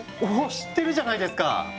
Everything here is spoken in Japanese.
知ってるじゃないですか！